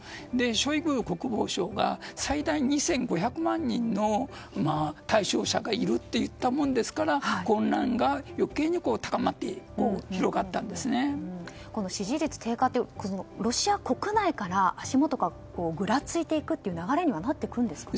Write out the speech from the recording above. ショイグ国防相が最大２５００万人の対象者がいるといったものですから混乱が余計に高まって支持率低下でロシア国内から足元がぐらついていくという流れになっていくんですか？